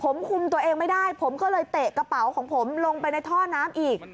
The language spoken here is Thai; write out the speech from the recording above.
ผมคุมตัวเองไม่ได้ผมก็เลยเตะกระเป๋าของผมลงไปในท่อน้ำอีก